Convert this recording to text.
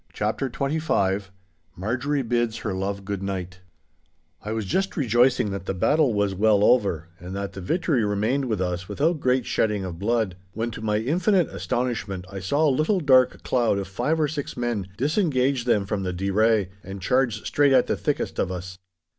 *CHAPTER XXV* *MARJORIE BIDS HER LOVE GOOD NIGHT* I was just rejoicing that the battle was well over, and that the victory remained with us without great shedding of blood, when to my infinite astonishment I saw a little dark cloud of five or six men disengage them from the deray, and charge straight at the thickest of us.